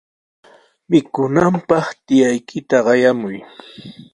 Mikunanpaq tiyaykita qayamuy.